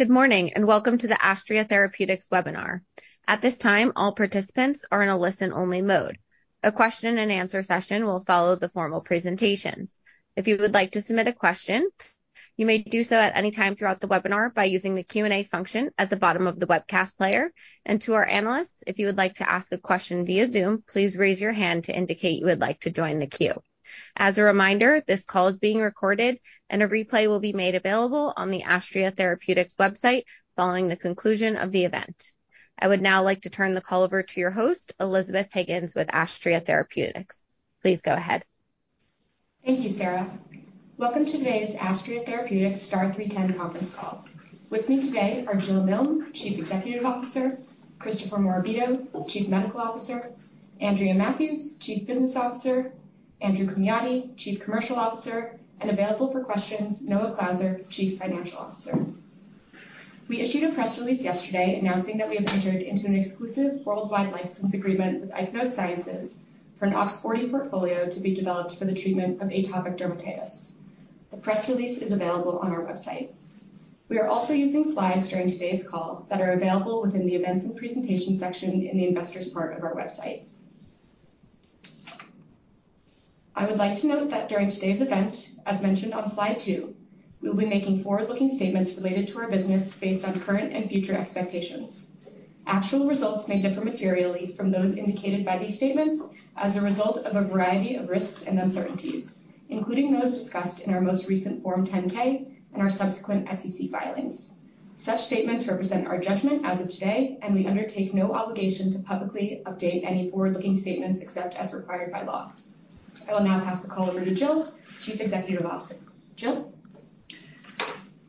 Good morning, and welcome to the Astria Therapeutics Webinar. At this time, all participants are in a listen-only mode. A question and answer session will follow the formal presentations. If you would like to submit a question, you may do so at any time throughout the webinar by using the Q&A function at the bottom of the webcast player. To our analysts, if you would like to ask a question via Zoom, please raise your hand to indicate you would like to join the queue. As a reminder, this call is being recorded, and a replay will be made available on the Astria Therapeutics website following the conclusion of the event. I would now like to turn the call over to your host, Elizabeth Higgins, with Astria Therapeutics. Please go ahead. Thank you, Sarah. Welcome to today's Astria Therapeutics STAR-0310 Conference Call. With me today are Jill Milne, Chief Executive Officer; Christopher Morabito, Chief Medical Officer; Andrea Matthews, Chief Business Officer; Andrew Komjathy, Chief Commercial Officer, and available for questions, Noah Clauser, Chief Financial Officer. We issued a press release yesterday announcing that we have entered into an exclusive worldwide license agreement with Ichnos Sciences for an OX40 portfolio to be developed for the treatment of atopic dermatitis. The press release is available on our website. We are also using slides during today's call that are available within the Events and Presentation section in the Investors part of our website. I would like to note that during today's event, as mentioned on Slide 2, we will be making forward-looking statements related to our business based on current and future expectations. Actual results may differ materially from those indicated by these statements as a result of a variety of risks and uncertainties, including those discussed in our most recent Form 10-K and our subsequent SEC filings. Such statements represent our judgment as of today, and we undertake no obligation to publicly update any forward-looking statements except as required by law. I will now pass the call over to Jill, Chief Executive Officer. Jill?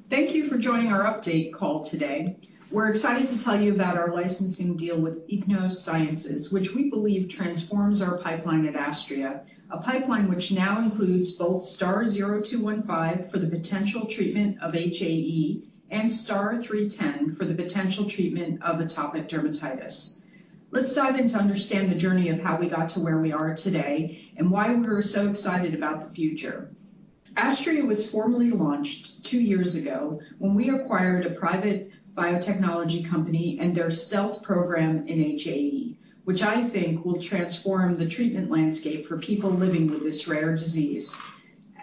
Thank you for joining our update call today. We're excited to tell you about our licensing deal with Ichnos Sciences, which we believe transforms our pipeline at Astria, a pipeline which now includes both STAR-0215 for the potential treatment of HAE and STAR-0310 for the potential treatment of atopic dermatitis. Let's dive in to understand the journey of how we got to where we are today and why we're so excited about the future. Astria was formally launched two years ago when we acquired a private biotechnology company and their stealth program in HAE, which I think will transform the treatment landscape for people living with this rare disease.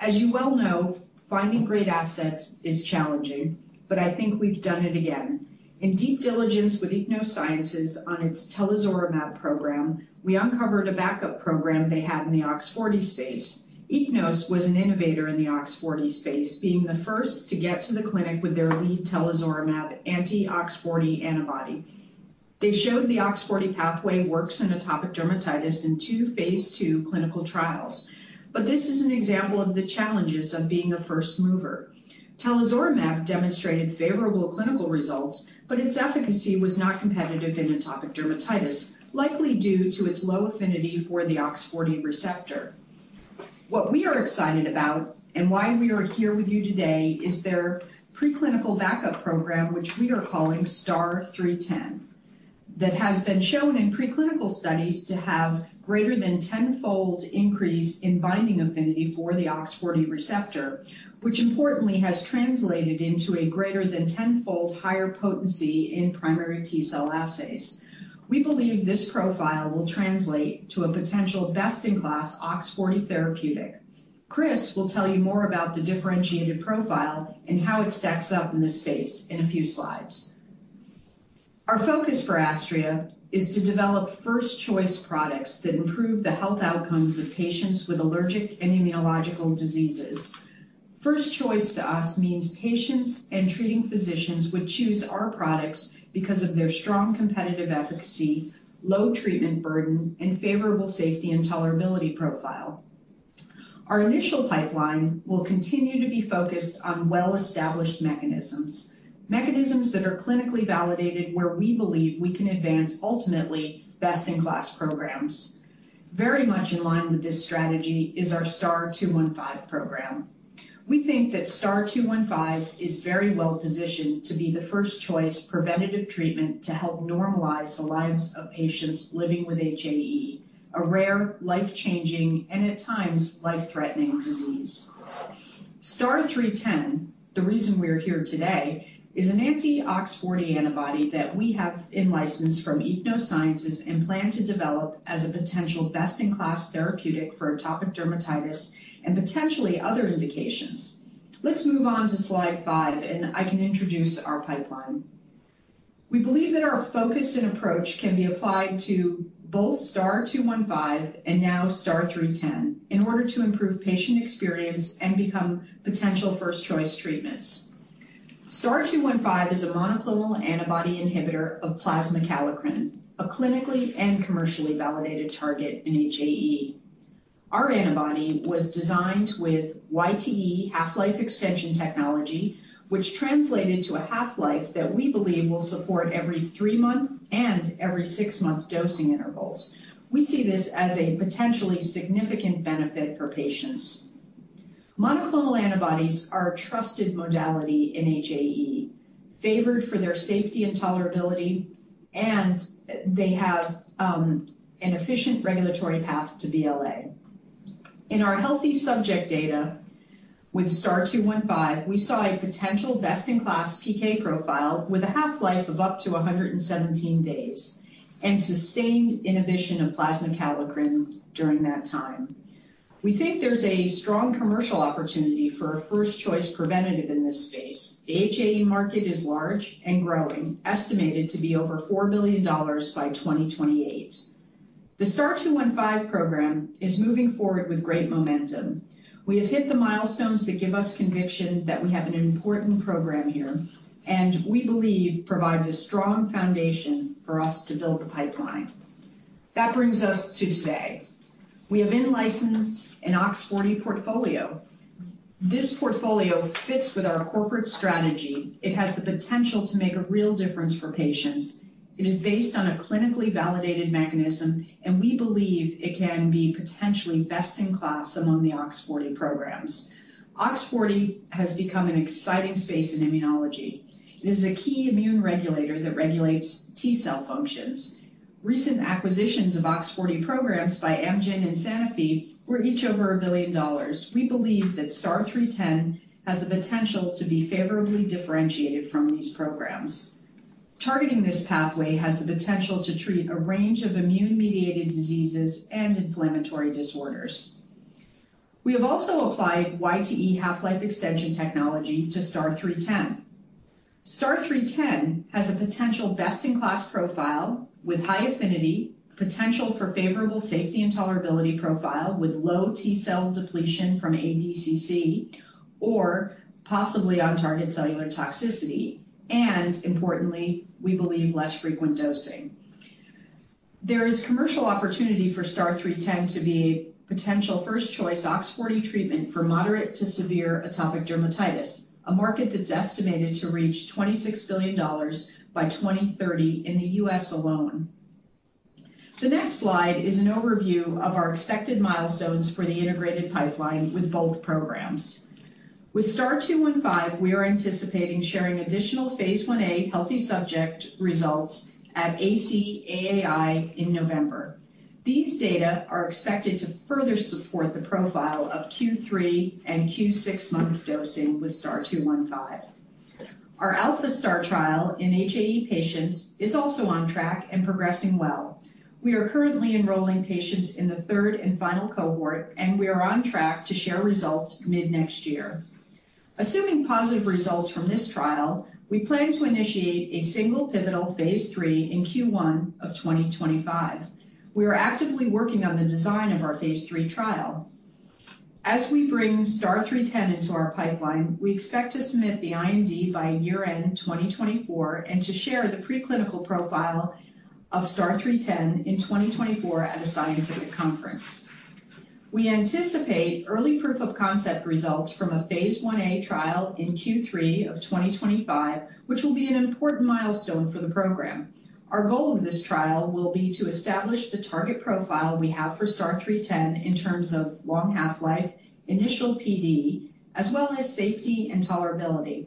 As you well know, finding great assets is challenging, but I think we've done it again. In deep diligence with Ichnos Sciences on its Telazorlimab program, we uncovered a backup program they had in the OX40 space. Ichnos was an innovator in the OX40 space, being the first to get to the clinic with their lead Telazorlimab anti-OX40 antibody. They showed the OX40 pathway works in atopic dermatitis in two Phase 2 clinical trials. But this is an example of the challenges of being a first mover. Telazorlimab demonstrated favorable clinical results, but its efficacy was not competitive in atopic dermatitis, likely due to its low affinity for the OX40 receptor. What we are excited about and why we are here with you today is their preclinical backup program, which we are calling STAR-0310, that has been shown in preclinical studies to have greater than tenfold increase in binding affinity for the OX40 receptor, which importantly, has translated into a greater than tenfold higher potency in primary T-cell assays. We believe this profile will translate to a potential best-in-class OX40 therapeutic. Chris will tell you more about the differentiated profile and how it stacks up in this space in a few slides. Our focus for Astria is to develop first-choice products that improve the health outcomes of patients with allergic and immunological diseases. First choice to us means patients and treating physicians would choose our products because of their strong competitive efficacy, low treatment burden, and favorable safety and tolerability profile. Our initial pipeline will continue to be focused on well-established mechanisms, mechanisms that are clinically validated, where we believe we can advance ultimately best-in-class programs. Very much in line with this strategy is our STAR-0215 program. We think that STAR-0215 is very well-positioned to be the first-choice preventative treatment to help normalize the lives of patients living with HAE, a rare, life-changing, and at times, life-threatening disease. STAR-0310, the reason we're here today, is an anti-OX40 antibody that we have in-license from Ichnos Sciences and plan to develop as a potential best-in-class therapeutic for atopic dermatitis and potentially other indications. Let's move on to Slide 5, and I can introduce our pipeline. We believe that our focus and approach can be applied to both STAR-0215 and now STAR-0310, in order to improve patient experience and become potential first-choice treatments. STAR-0215 is a monoclonal antibody inhibitor of plasma kallikrein, a clinically and commercially validated target in HAE. Our antibody was designed with YTE half-life extension technology, which translated to a half-life that we believe will support every three-month and every six-month dosing intervals. We see this as a potentially significant benefit for patients. Monoclonal antibodies are a trusted modality in HAE, favored for their safety and tolerability, and they have an efficient regulatory path to BLA. In our healthy subject data with STAR-0215, we saw a potential best-in-class PK profile with a half-life of up to 117 days and sustained inhibition of plasma kallikrein during that time. We think there's a strong commercial opportunity for a first-choice preventative in this space. The HAE market is large and growing, estimated to be over $4 billion by 2028. The STAR-0215 program is moving forward with great momentum. We have hit the milestones that give us conviction that we have an important program here, and we believe provides a strong foundation for us to build the pipeline. That brings us to today. We have in-licensed an OX40 portfolio. This portfolio fits with our corporate strategy. It has the potential to make a real difference for patients. It is based on a clinically validated mechanism, and we believe it can be potentially best in class among the OX40 programs. OX40 has become an exciting space in immunology. It is a key immune regulator that regulates T cell functions. Recent acquisitions of OX40 programs by Amgen and Sanofi were each over $1 billion. We believe that STAR-0310 has the potential to be favorably differentiated from these programs. Targeting this pathway has the potential to treat a range of immune-mediated diseases and inflammatory disorders. We have also applied YTE half-life extension technology to STAR-0310. STAR-0310 has a potential best-in-class profile with high affinity, potential for favorable safety and tolerability profile with low T cell depletion from ADCC, or possibly on target cellular toxicity, and importantly, we believe less frequent dosing. There is commercial opportunity for STAR-0310 to be potential first-choice OX40 treatment for moderate to severe atopic dermatitis, a market that's estimated to reach $26 billion by 2030 in the U.S. alone. The next slide is an overview of our expected milestones for the integrated pipeline with both programs. With STAR-0215, we are anticipating sharing additional Phase 1a healthy subject results at ACAAI in November. These data are expected to further support the profile of Q3 and Q6-month dosing with STAR-0215. Our ALPHA-STAR trial in HAE patients is also on track and progressing well. We are currently enrolling patients in the third and final cohort, and we are on track to share results mid-next year. Assuming positive results from this trial, we plan to initiate a single pivotal Phase 3 in Q1 2025. We are actively working on the design of our Phase 3 trial. As we bring STAR-0310 into our pipeline, we expect to submit the IND by year-end 2024 and to share the preclinical profile of STAR-0310 in 2024 at a scientific conference. We anticipate early proof Phase 1a trial in q3 2025, which will be an important milestone for the program. Our goal of this trial will be to establish the target profile we have for STAR-0310 in terms of long half-life, initial PD, as well as safety and tolerability.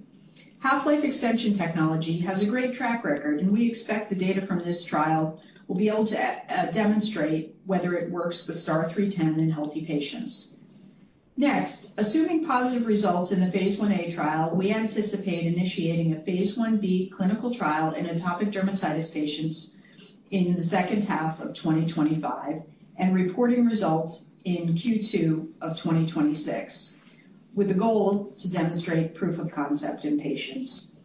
Half-life extension technology has a great track record, and we expect the data from this trial will be able to demonstrate whether it works with STAR-0310 in healthy patients. Next, phase 1a trial, we anticipate initiating a Phase 1b clinical trial in atopic dermatitis patients in the second half of 2025 and reporting results in Q2 of 2026, with a goal to demonstrate proof of concept in patients.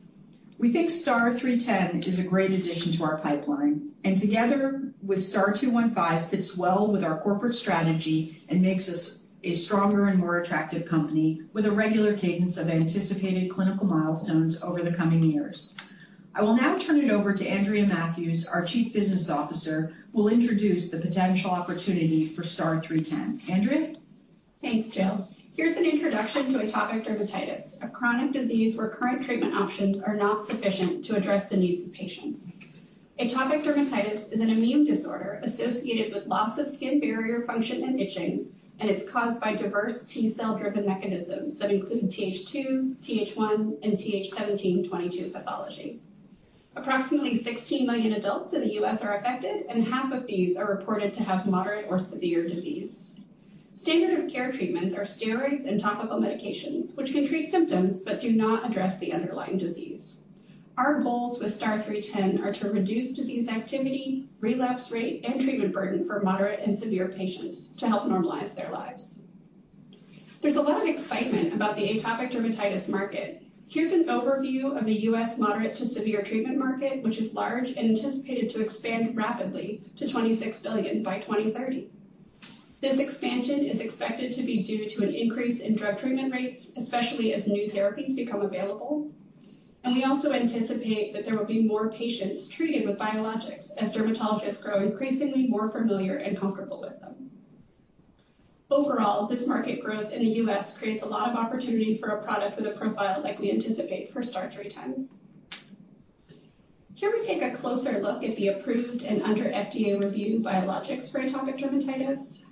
We think STAR-0310 is a great addition to our pipeline, and together with STAR-0215, fits well with our corporate strategy and makes us a stronger and more attractive company with a regular cadence of anticipated clinical milestones over the coming years. I will now turn it over to Andrea Matthews, our Chief Business Officer, who will introduce the potential opportunity for STAR-0310. Andrea? Thanks, Jill. Here's an introduction to atopic dermatitis, a chronic disease where current treatment options are not sufficient to address the needs of patients. Atopic dermatitis is an immune disorder associated with loss of skin barrier function and itching, and it's caused by diverse T cell-driven mechanisms that include Th2, Th1, and Th17/Th22 pathology. Approximately 16 million adults in the U.S. are affected, and half of these are reported to have moderate or severe disease. Standard of care treatments are steroids and topical medications, which can treat symptoms but do not address the underlying disease. Our goals with STAR-0310 are to reduce disease activity, relapse rate, and treatment burden for moderate and severe patients to help normalize their lives. There's a lot of excitement about the atopic dermatitis market. Here's an overview of the U.S. moderate-to-severe treatment market, which is large and anticipated to expand rapidly to $26 billion by 2030. This expansion is expected to be due to an increase in drug treatment rates, especially as new therapies become available. We also anticipate that there will be more patients treated with biologics as dermatologists grow increasingly more familiar and comfortable with them. Overall, this market growth in the U.S. creates a lot of opportunity for a product with a profile like we anticipate for STAR-0310. Here we take a closer look at the approved and under FDA review biologics for atopic dermatitis.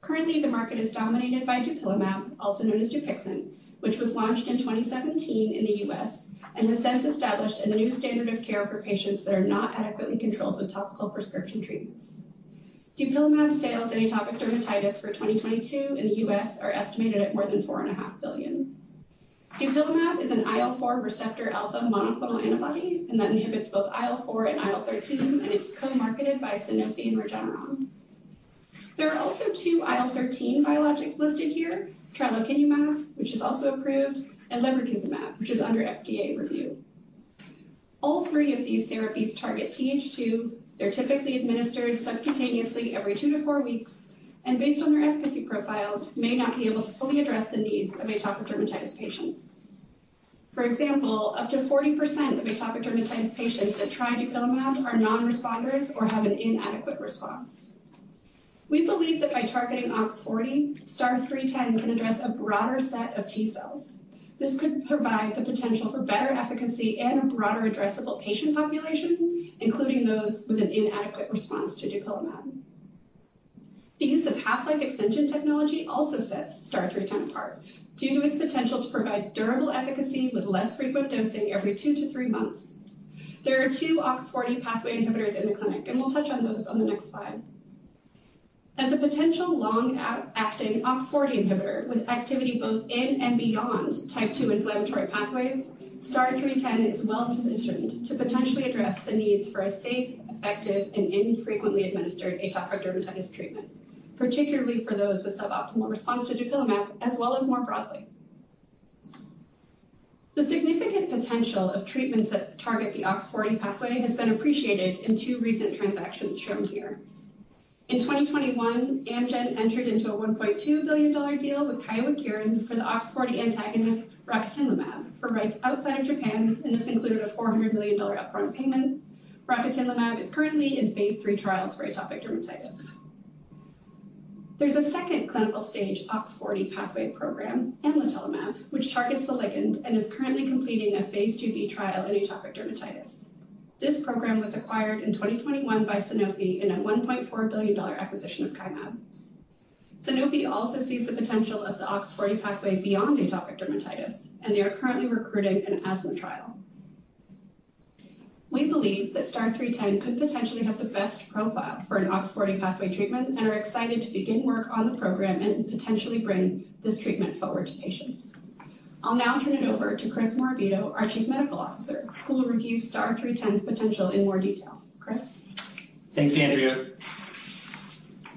Currently, the market is dominated by dupilumab, also known as Dupixent, which was launched in 2017 in the U.S. and has since established a new standard of care for patients that are not adequately controlled with topical prescription treatments. Dupilumab sales in atopic dermatitis for 2022 in the U.S. are estimated at more than $4.5 billion. Dupilumab is an IL-4 receptor alpha monoclonal antibody, and that inhibits both IL-4 and IL-13, and it's co-marketed by Sanofi and Regeneron. There are also two IL-13 biologics listed here, tralokinumab, which is also approved, and lebrikizumab, which is under FDA review. All three of these therapies target Th2. They're typically administered subcutaneously every two to four weeks, and based on their efficacy profiles, may not be able to fully address the needs of atopic dermatitis patients. For example, up to 40% of atopic dermatitis patients that try dupilumab are non-responders or have an inadequate response. We believe that by targeting OX40, STAR-0310 can address a broader set of T cells. This could provide the potential for better efficacy and a broader addressable patient population, including those with an inadequate response to dupilumab. The use of half-life extension technology also sets STAR-0310 apart due to its potential to provide durable efficacy with less frequent dosing every two-three months. There are two OX40 pathway inhibitors in the clinic, and we'll touch on those on the next slide. As a potential long-acting OX40 inhibitor with activity both in and beyond type two inflammatory pathways, STAR-0310 is well-positioned to potentially address the needs for a safe, effective, and infrequently administered atopic dermatitis treatment, particularly for those with suboptimal response to dupilumab, as well as more broadly. The significant potential of treatments that target the OX40 pathway has been appreciated in two recent transactions shown here. In 2021, Amgen entered into a $1.2 billion deal with Kyowa Kirin for the OX40 antagonist rocatinlimab for rights outside of Japan, and this included a $400 million upfront payment. Rocatinlimab is currently in Phase 3 trials for atopic dermatitis. There's a second clinical stage OX40 pathway program, amlitelimab, which targets the ligand and is currently completing a Phase 2b trial in atopic dermatitis. This program was acquired in 2021 by Sanofi in a $1.4 billion acquisition of Kymab. Sanofi also sees the potential of the OX40 pathway beyond atopic dermatitis, and they are currently recruiting an asthma trial. We believe that STAR-0310 could potentially have the best profile for an OX40 pathway treatment and are excited to begin work on the program and potentially bring this treatment forward to patients. I'll now turn it over to Chris Morabito, our Chief Medical Officer, who will review STAR-0310's potential in more detail. Chris? Thanks, Andrea.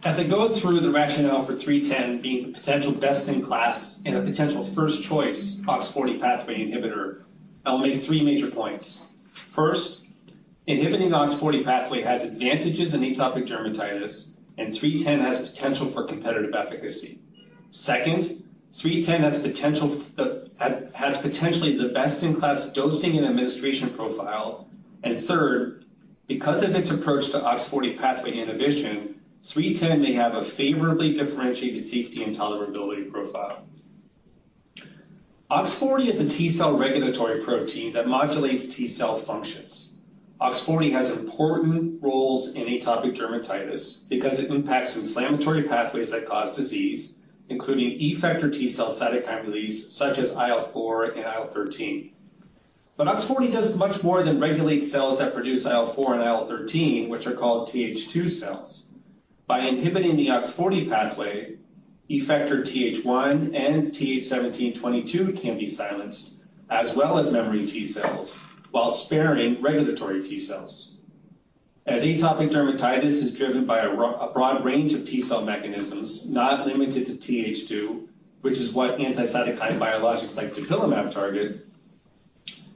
As I go through the rationale for STAR-0310 being the potential best-in-class and a potential first-choice OX40 pathway inhibitor, I'll make three major points. First, inhibiting OX40 pathway has advantages in atopic dermatitis, and STAR-0310 has potential for competitive efficacy. Second, STAR-0310 has potentially the best-in-class dosing and administration profile. And third, because of its approach to OX40 pathway inhibition, STAR-0310 may have a favorably differentiated safety and tolerability profile. OX40 is a T cell regulatory protein that modulates T cell functions. OX40 has important roles in atopic dermatitis because it impacts inflammatory pathways that cause disease, including effector T cell cytokine release, such as IL-4 and IL-13. But OX40 does much more than regulate cells that produce IL-4 and IL-13, which are called Th2 cells. By inhibiting the OX40 pathway, effector Th1 and Th17/Th22 can be silenced, as well as memory T cells, while sparing regulatory T cells. As atopic dermatitis is driven by a broad range of T cell mechanisms, not limited to Th2, which is what anti-cytokine biologics like dupilumab target,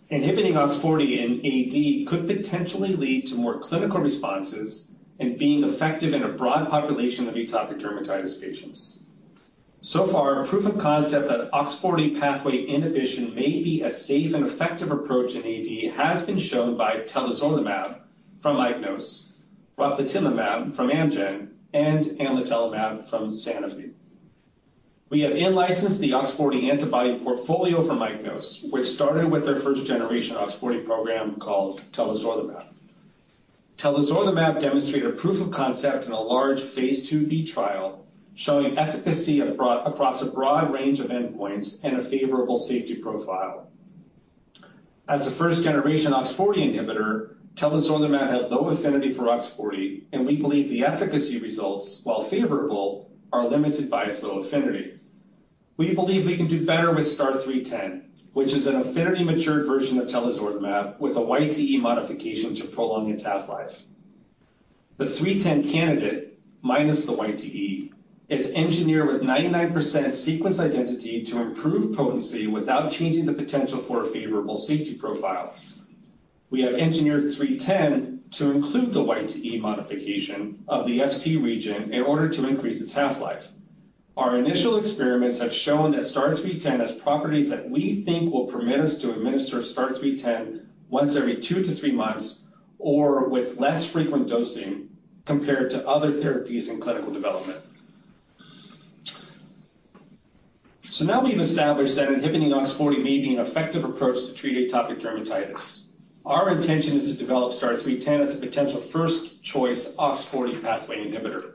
inhibiting OX40 in AD could potentially lead to more clinical responses and being effective in a broad population of atopic dermatitis patients. So far, proof of concept that OX40 pathway inhibition may be a safe and effective approach in AD has been shown by Telazorlimab from Ichnos, rocatinlimab from Amgen, and amlitelimab from Sanofi. We have in-licensed the OX40 antibody portfolio from Ichnos, which started with their first-generation OX40 program called Telazorlimab. Telazorlimab demonstrated a proof of concept in a large Phase 2b trial, showing efficacy across a broad range of endpoints and a favorable safety profile. As a first-generation OX40 inhibitor, Telazorlimab had low affinity for OX40, and we believe the efficacy results, while favorable, are limited by its low affinity. We believe we can do better with STAR-0310, which is an affinity-matured version of Telazorlimab, with a YTE modification to prolong its half-life. The 0310 candidate, minus the YTE, is engineered with 99% sequence identity to improve potency without changing the potential for a favorable safety profile. We have engineered 0310 to include the YTE modification of the Fc region in order to increase its half-life. Our initial experiments have shown that STAR-0310 has properties that we think will permit us to administer STAR-0310 once every two to three months or with less frequent dosing compared to other therapies in clinical development. So now we've established that inhibiting OX40 may be an effective approach to treat atopic dermatitis. Our intention is to develop STAR-0310 as a potential first-choice OX40 pathway inhibitor.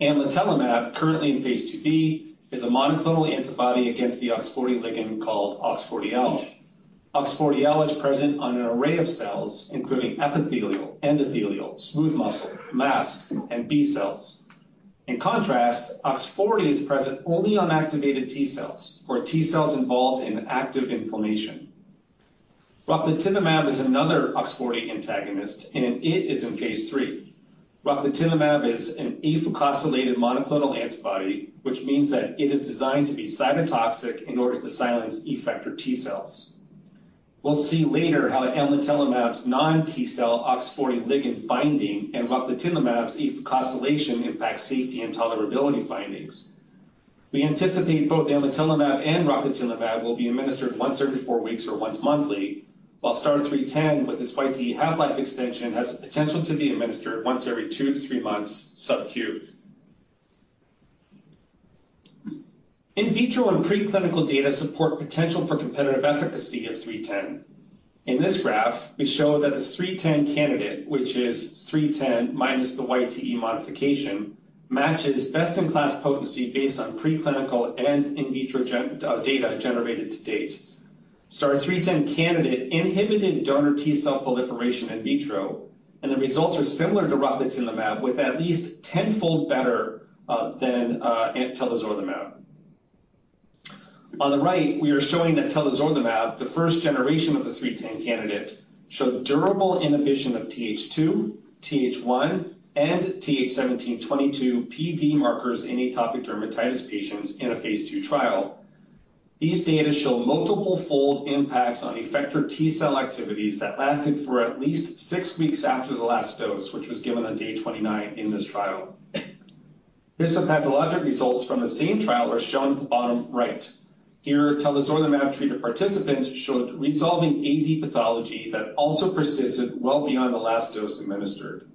Amlitelimab, currently in Phase 2b, is a monoclonal antibody against the OX40 ligand called OX40L. OX40L is present on an array of cells, including epithelial, endothelial, smooth muscle, mast, and B cells. In contrast, OX40 is present only on activated T cells or T cells involved in active inflammation. Rocatinlimab is another OX40 antagonist, and it is in Phase 3. Rocatinlimab is an afucosylated monoclonal antibody, which means that it is designed to be cytotoxic in order to silence effector T cells. We'll see later how Amlitelimab's non-T cell OX40 ligand binding and Rocatinlimab's afucosylation impact safety and tolerability findings. We anticipate both Amlitelimab and Rocatinlimab will be administered once every four weeks or once monthly, while STAR-0310, with its YTE half-life extension, has the potential to be administered once every two to three months sub-Q. In vitro and preclinical data support potential for competitive efficacy of STAR-0310. In this graph, we show that the STAR-0310 candidate, which is STAR-0310 minus the YTE modification, matches best-in-class potency based on preclinical and in vitro data generated to date. STAR-0310 candidate inhibited donor T cell proliferation in vitro, and the results are similar to Rocatinlimab, with at least tenfold better than Telazorlimab. On the right, we are showing that Telazorlimab, the first generation of the STAR-0310 candidate, showed durable inhibition of Th2, Th1, and Th17/Th22 PD markers in atopic dermatitis patients in a Phase 2 trial. These data show multiple fold impacts on effector T cell activities that lasted for at least six weeks after the last dose, which was given on day 29 in this trial. Histopathologic results from the same trial are shown at the bottom right. Here, Telazorlimab-treated participants showed resolving AD pathology that also persisted well beyond the last dose administered.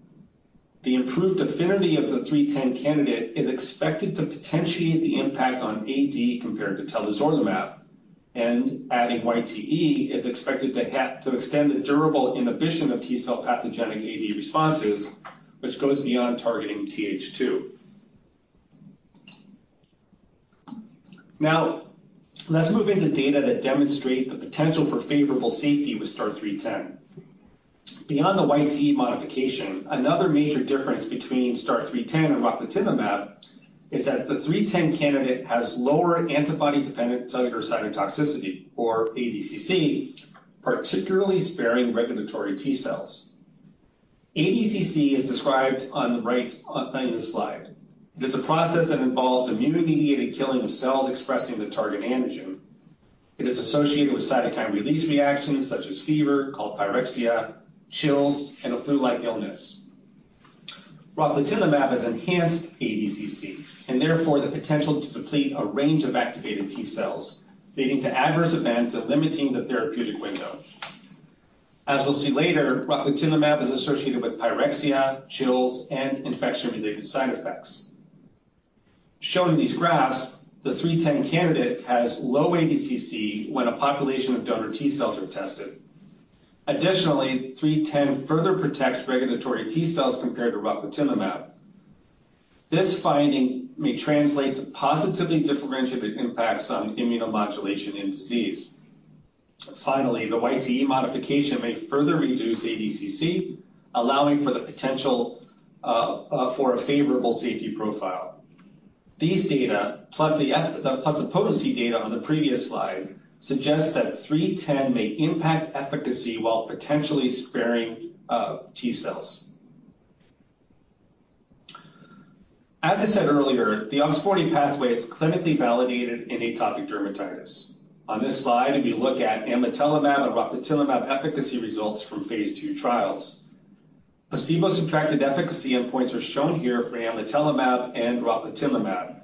The improved affinity of the STAR-0310 candidate is expected to potentiate the impact on AD compared to Telazorlimab, and adding YTE is expected to to extend the durable inhibition of T cell pathogenic AD responses, which goes beyond targeting Th2. Now, let's move into data that demonstrate the potential for favorable safety with STAR-0310. Beyond the YTE modification, another major difference between STAR-0310 and rocatinlimab is that the STAR-0310 candidate has lower antibody-dependent cellular cytotoxicity, or ADCC, particularly sparing regulatory T cells. ADCC is described on the right, in this slide. It is a process that involves immune-mediated killing of cells expressing the target antigen. It is associated with cytokine release reactions such as fever, called pyrexia, chills, and a flu-like illness. Rocatinlimab has enhanced ADCC, and therefore the potential to deplete a range of activated T cells, leading to adverse events and limiting the therapeutic window. As we'll see later, rocatinlimab is associated with pyrexia, chills, and infection-related side effects. Shown in these graphs, the STAR-0310 candidate has low ADCC when a population of donor T cells are tested. Additionally, STAR-0310 further protects regulatory T cells compared to rocatinlimab. This finding may translate to positively differentiated impacts on immunomodulation in disease. Finally, the YTE modification may further reduce ADCC, allowing for the potential for a favorable safety profile. These data, plus the potency data on the previous slide, suggest that STAR-0310 may impact efficacy while potentially sparing T cells. As I said earlier, the OX40 pathway is clinically validated in atopic dermatitis. On this slide, we look at amlitelimab and rocatinlimab efficacy results from Phase 2 trials. Placebo-subtracted efficacy endpoints are shown here for amlitelimab and rocatinlimab.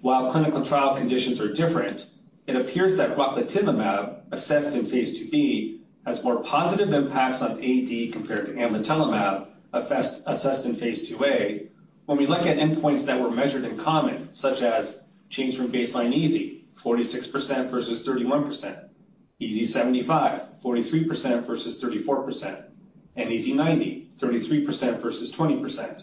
While clinical trial conditions are different, it appears that rocatinlimab, assessed in Phase 2b, has more positive impacts on AD compared to amlitelimab, assessed in Phase 2a, when we look at endpoints that were measured in common, such as change from baseline EASI, 46% versus 31%, EASI-75, 43% versus 34%, and EASI-90, 33% versus 20%.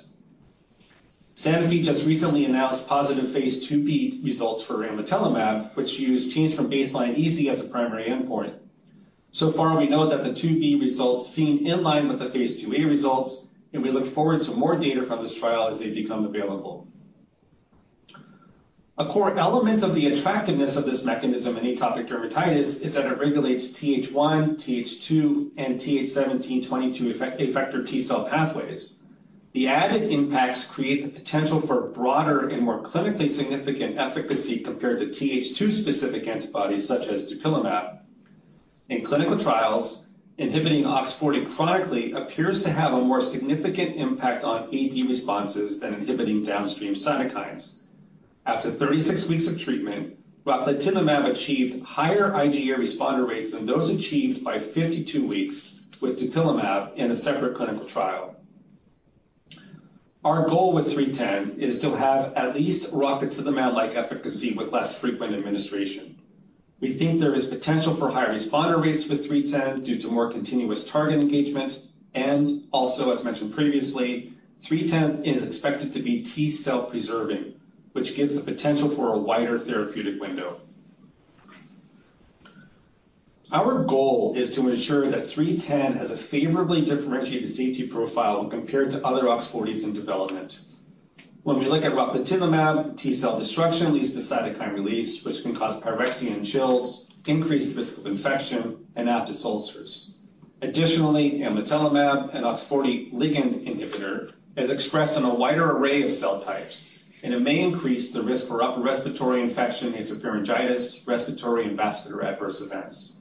Sanofi just recently announced positive Phase 2b results for amlitelimab, which used change from baseline EASI as a primary endpoint. So far, we know that the IIb results seem in line with the Phase 2a results, and we look forward to more data from this trial as they become available. A core element of the attractiveness of this mechanism in atopic dermatitis is that it regulates Th1, Th2, and Th17/Th22 effector T cell pathways. The added impacts create the potential for broader and more clinically significant efficacy compared to Th2-specific antibodies, such as dupilumab. In clinical trials, inhibiting OX40 chronically appears to have a more significant impact on AD responses than inhibiting downstream cytokines. After 36 weeks of treatment, rocatinlimab achieved higher IgE responder rates than those achieved by 52 weeks with dupilumab in a separate clinical trial. Our goal with STAR-0310 is to have at least rocatinlimab-like efficacy with less frequent administration.... We think there is potential for high responder rates with STAR-0310 due to more continuous target engagement, and also, as mentioned previously, STAR-0310 is expected to be T-cell preserving, which gives the potential for a wider therapeutic window. Our goal is to ensure that STAR-0310 has a favorably differentiated safety profile when compared to other OX40s in development. When we look at rocatinlimab, T-cell destruction leads to cytokine release, which can cause pyrexia and chills, increased risk of infection, and aphthous ulcers. Additionally, amlitelimab, an OX40 ligand inhibitor, is expressed in a wider array of cell types, and it may increase the risk for upper respiratory infection, esophagitis, respiratory, and vascular adverse events.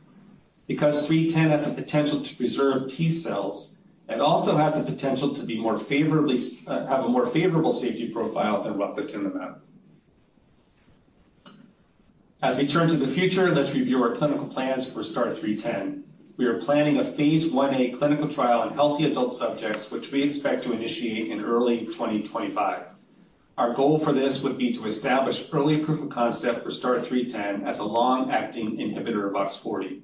Because STAR-0310 has the potential to preserve T-cells, it also has the potential to be more favorably, have a more favorable safety profile than rocatinlimab. As we turn to the future, let's review our clinical plans for STAR-0310. We are planning a Phase 1a clinical trial on healthy adult subjects, which we expect to initiate in early 2025. Our goal for this would be to establish early proof of concept for STAR-0310 as a long-acting inhibitor of OX40.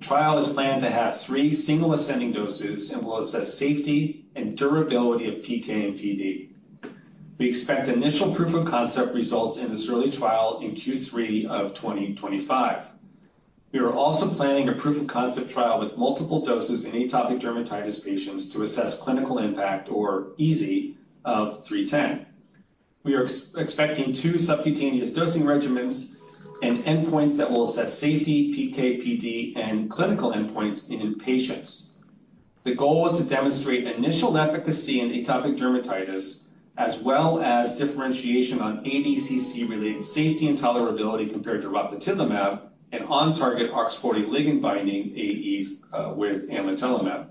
The trial is planned to have three single ascending doses and will assess safety and durability of PK and PD. We expect initial proof of concept results in this early trial in Q3 of 2025. We are also planning a proof of concept trial with multiple doses in atopic dermatitis patients to assess clinical impact for EASI of 310. We are expecting two subcutaneous dosing regimens and endpoints that will assess safety, PK, PD, and clinical endpoints in patients. The goal is to demonstrate initial efficacy in atopic dermatitis, as well as differentiation on ADCC-related safety and tolerability compared to rocatinlimab and on-target OX40 ligand binding AEs with amlitelimab.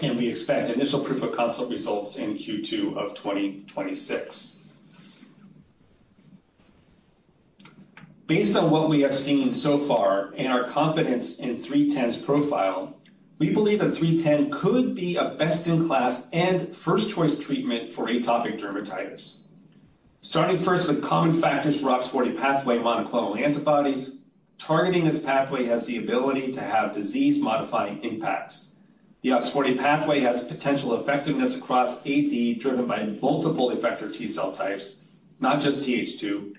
We expect initial proof of concept results in Q2 of 2026. Based on what we have seen so far and our confidence in STAR-0310's profile, we believe that STAR-0310 could be a best-in-class and first-choice treatment for atopic dermatitis. Starting first with common factors for OX40 pathway monoclonal antibodies, targeting this pathway has the ability to have disease-modifying impacts. The OX40 pathway has potential effectiveness across AD, driven by multiple effector T cell types, not just Th2.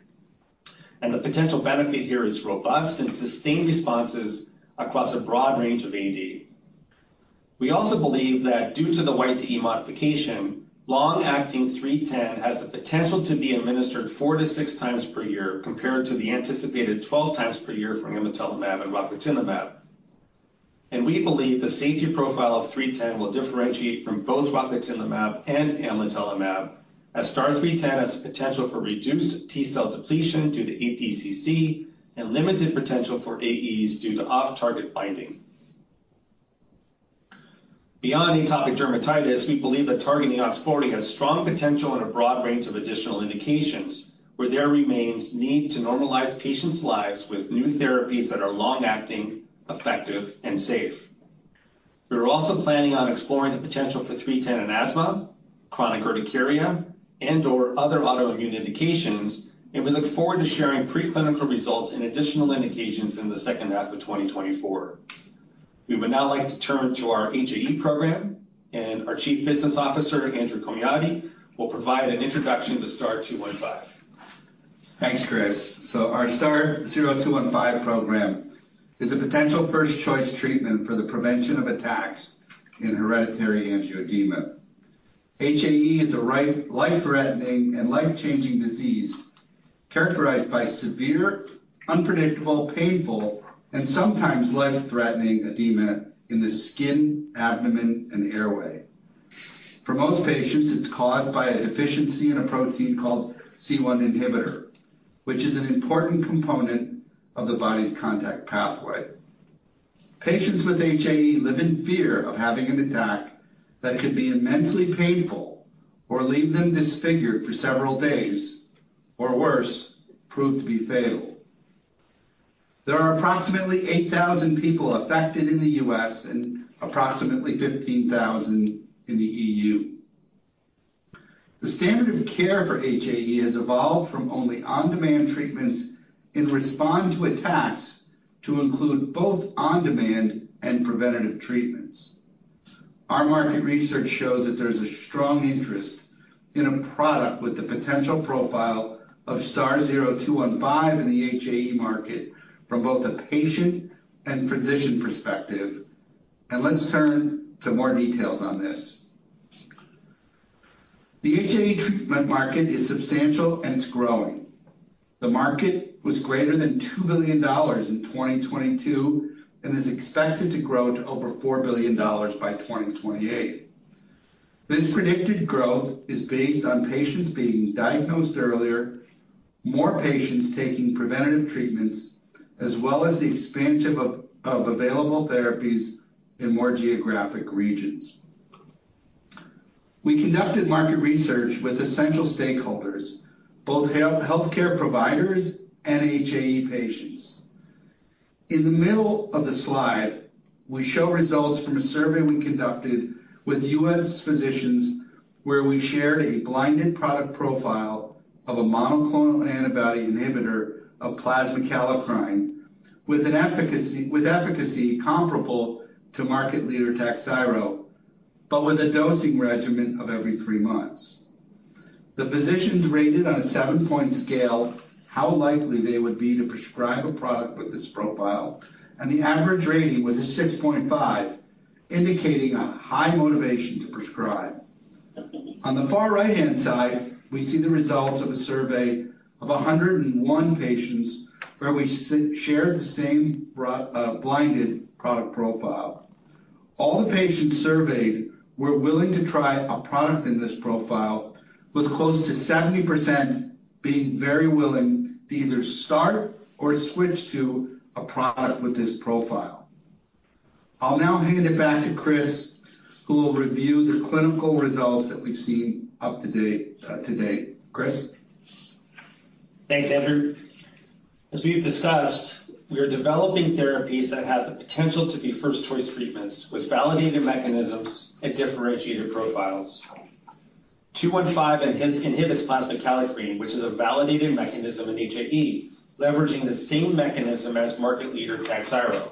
The potential benefit here is robust and sustained responses across a broad range of AD. We also believe that due to the YTE modification, long-acting STAR-0310 has the potential to be administered four-six times per year, compared to the anticipated 12 times per year from amlitelimab and rocatinlimab. We believe the safety profile of STAR-0310 will differentiate from both rocatinlimab and amlitelimab, as STAR-0310 has the potential for reduced T cell depletion due to ADCC and limited potential for AEs due to off-target binding. Beyond atopic dermatitis, we believe that targeting OX40 has strong potential in a broad range of additional indications, where there remains need to normalize patients' lives with new therapies that are long-acting, effective, and safe. We are also planning on exploring the potential for STAR-0310 in asthma, chronic urticaria, and/or other autoimmune indications, and we look forward to sharing preclinical results in additional indications in the second half of 2024. We would now like to turn to our HAE program, and our Chief Business Officer, Andrew Komjathy, will provide an introduction to STAR-0215. Thanks, Chris. So our STAR-0215 program is a potential first-choice treatment for the prevention of attacks in hereditary angioedema. HAE is a rare life-threatening and life-changing disease characterized by severe, unpredictable, painful, and sometimes life-threatening edema in the skin, abdomen, and airway. For most patients, it's caused by a deficiency in a protein called C1 inhibitor, which is an important component of the body's contact pathway. Patients with HAE live in fear of having an attack that could be immensely painful or leave them disfigured for several days, or worse, prove to be fatal. There are approximately 8,000 people affected in the U.S. and approximately 15,000 in the E.U. The standard of care for HAE has evolved from only on-demand treatments in response to attacks to include both on-demand and preventative treatments. Our market research shows that there's a strong interest in a product with the potential profile of STAR-0215 in the HAE market from both a patient and physician perspective, and let's turn to more details on this. The HAE treatment market is substantial, and it's growing. The market was greater than $2 billion in 2022 and is expected to grow to over $4 billion by 2028. This predicted growth is based on patients being diagnosed earlier, more patients taking preventative treatments, as well as the expansion of available therapies in more geographic regions. We conducted market research with essential stakeholders, both healthcare providers and HAE patients.... In the middle of the slide, we show results from a survey we conducted with U.S. physicians, where we shared a blinded product profile of a monoclonal antibody inhibitor of plasma kallikrein, with an efficacy, with efficacy comparable to market leader TAKHZYRO, but with a dosing regimen of every three months. The physicians rated on a seven-point scale how likely they would be to prescribe a product with this profile, and the average rating was a 6.5, indicating a high motivation to prescribe. On the far right-hand side, we see the results of a survey of 101 patients where we shared the same blinded product profile. All the patients surveyed were willing to try a product in this profile, with close to 70% being very willing to either start or switch to a product with this profile. I'll now hand it back to Chris, who will review the clinical results that we've seen up-to-date, to date. Chris? Thanks, Andrew. As we've discussed, we are developing therapies that have the potential to be first-choice treatments with validated mechanisms and differentiated profiles. STAR-0215 inhibits plasma kallikrein, which is a validated mechanism in HAE, leveraging the same mechanism as market leader TAKHZYRO.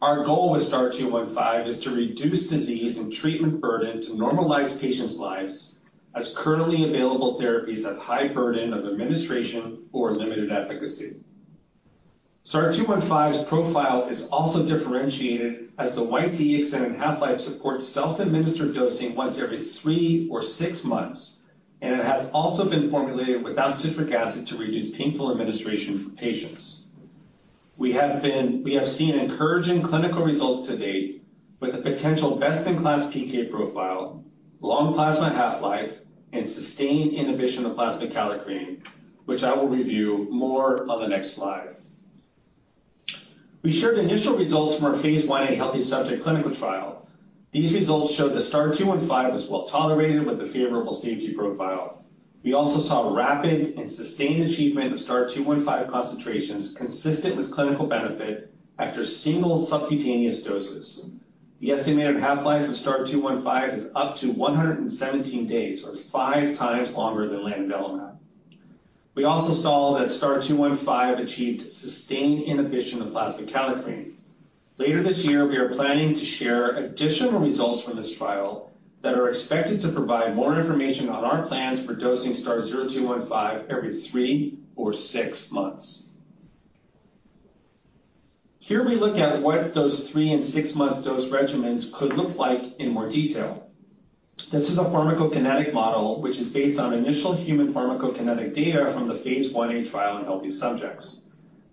Our goal with STAR-0215 is to reduce disease and treatment burden to normalize patients' lives, as currently available therapies have high burden of administration or limited efficacy. STAR-0215's profile is also differentiated as the YTE extended half-life supports self-administered dosing once every three or six months, and it has also been formulated without citric acid to reduce painful administration for patients. We have seen encouraging clinical results to date with a potential best-in-class PK profile, long plasma half-life, and sustained inhibition of plasma kallikrein, which I will review more on the next slide. We shared initial results from our Phase 1a healthy subject clinical trial. These results show that STAR-0215 was well tolerated with a favorable safety profile. We also saw rapid and sustained achievement of STAR-0215 concentrations consistent with clinical benefit after single subcutaneous doses. The estimated half-life of STAR-0215 is up to 117 days, or five times longer than lanadelumab. We also saw that STAR-0215 achieved sustained inhibition of plasma kallikrein. Later this year, we are planning to share additional results from this trial that are expected to provide more information on our plans for dosing STAR-0215 every three or six months. Here we look at what those three and six months dose regimens could look like in more detail. This is a pharmacokinetic model, which is based on initial human pharmacokinetic Phase 1a trial in healthy subjects.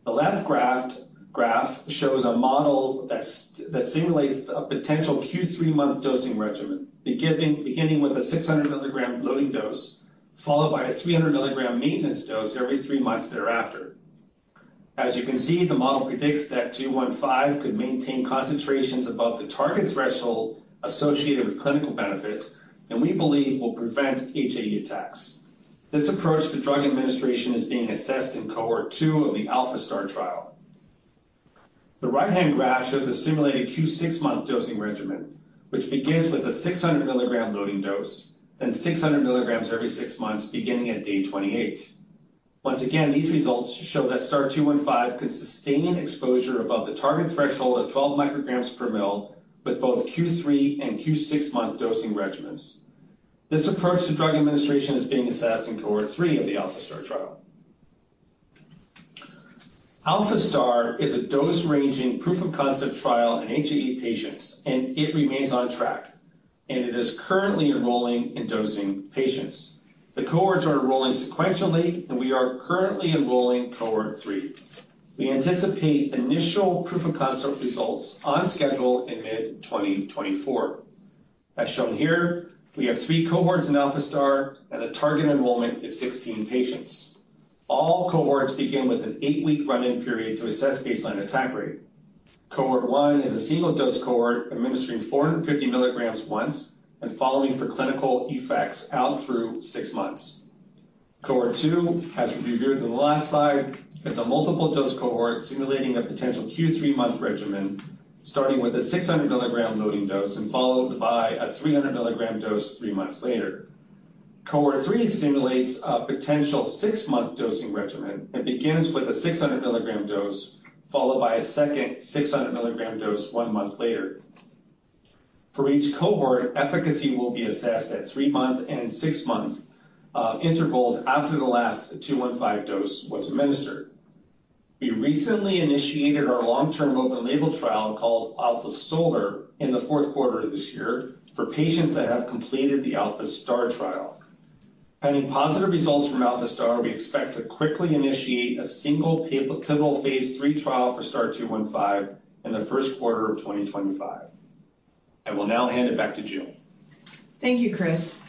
The left graph shows a model that simulates a potential Q 3-month dosing regimen, beginning with a 600-milligram loading dose, followed by a 300-milligram maintenance dose every three months thereafter. As you can see, the model predicts that STAR-0215 could maintain concentrations above the target threshold associated with clinical benefit, and we believe will prevent HAE attacks. This approach to drug administration is being assessed in Cohort 2 of the ALPHA-STAR trial. The right-hand graph shows a simulated Q 6-month dosing regimen, which begins with a 600-milligram loading dose, then 600 mg every six months, beginning at day 28. Once again, these results show that STAR-0215 can sustain exposure above the target threshold of 12 micrograms per mL with both Q3 and Q6-month dosing regimens. This approach to drug administration is being assessed in Cohort 3 of the ALPHA-STAR trial. ALPHA-STAR is a dose-ranging proof-of-concept trial in HAE patients, and it remains on track, and it is currently enrolling and dosing patients. The cohorts are enrolling sequentially, and we are currently enrolling Cohort 3. We anticipate initial proof-of-concept results on schedule in mid-2024. As shown here, we have three cohorts in ALPHA-STAR, and the target enrollment is 16 patients. All cohorts begin with an 8-week run-in period to assess baseline attack rate. Cohort 1 is a single-dose cohort administering 450 mg once and following for clinical effects out through 6 months. Cohort 2, as we reviewed on the last slide, is a multiple-dose cohort simulating a potential Q3-month regimen, starting with a 600-milligram loading dose and followed by a 300-milligram dose three months later. Cohort 3 simulates a potential six-month dosing regimen and begins with a 600-milligram dose, followed by a second 600-milligram dose one month later. For each cohort, efficacy will be assessed at three-month and six-month intervals after the last STAR-0215 dose was administered. We recently initiated our long-term open-label trial called ALPHA-SOLAR in the fourth quarter of this year for patients that have completed the ALPHA-STAR trial. Pending positive results from ALPHA-STAR, we expect to quickly initiate a single pivotal Phase 3 trial for STAR-0215 in the first quarter of 2025. I will now hand it back to Jill. Thank you, Chris.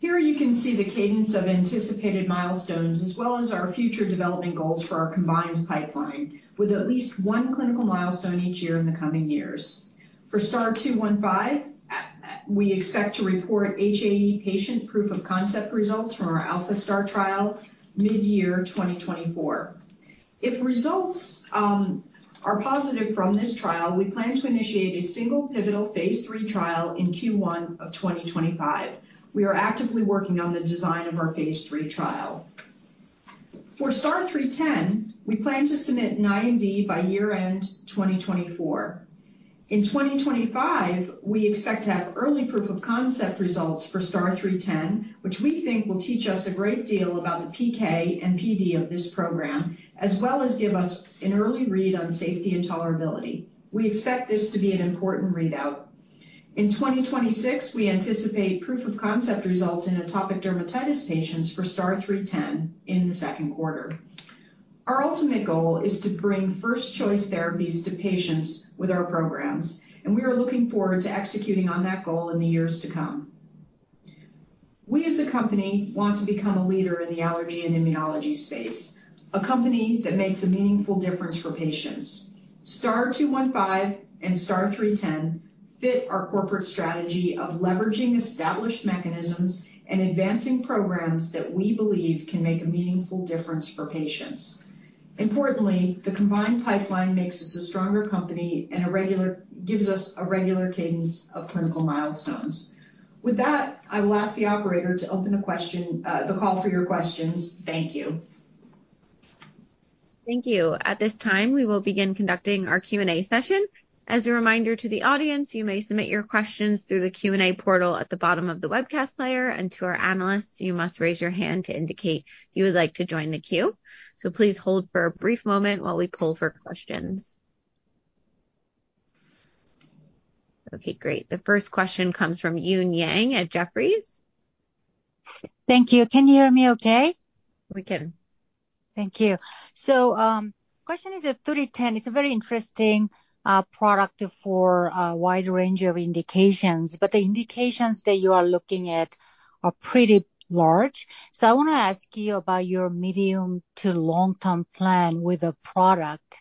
Here you can see the cadence of anticipated milestones, as well as our future development goals for our combined pipeline, with at least one clinical milestone each year in the coming years. For STAR-0215 we expect to report HAE patient proof of concept results from our ALPHA-STAR trial mid-year 2024. If results are positive from this trial, we plan to initiate a single pivotal Phase 3 trial in Q1 of 2025. We are actively working on the design of our Phase 3 trial. For STAR-0310, we plan to submit an IND by year-end 2024. In 2025, we expect to have early proof of concept results for STAR-0310, which we think will teach us a great deal about the PK and PD of this program, as well as give us an early read on safety and tolerability. We expect this to be an important readout. In 2026, we anticipate proof of concept results in atopic dermatitis patients for STAR-0310 in the second quarter. Our ultimate goal is to bring first choice therapies to patients with our programs, and we are looking forward to executing on that goal in the years to come. We, as a company, want to become a leader in the allergy and immunology space, a company that makes a meaningful difference for patients. STAR-0215 and STAR-0310 fit our corporate strategy of leveraging established mechanisms and advancing programs that we believe can make a meaningful difference for patients. Importantly, the combined pipeline makes us a stronger company and gives us a regular cadence of clinical milestones. With that, I will ask the operator to open the question, the call for your questions. Thank you. Thank you. At this time, we will begin conducting our Q&A session. As a reminder to the audience, you may submit your questions through the Q&A portal at the bottom of the webcast player. And to our analysts, you must raise your hand to indicate you would like to join the queue. So please hold for a brief moment while we pull for questions. Okay, great. The first question comes from Eun Yang at Jefferies. Thank you. Can you hear me okay? We can. Thank you. So, question is at 3:10, it's a very interesting product for a wide range of indications, but the indications that you are looking at are pretty large. So I want to ask you about your medium to long-term plan with the product,